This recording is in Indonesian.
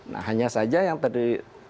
nah hanya saja yang tadi